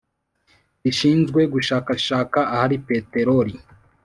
rishinzwe gushakashaka ahari Peteroli